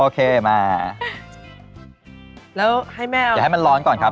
มาแล้วให้แม่เอาอย่าให้มันร้อนก่อนครับ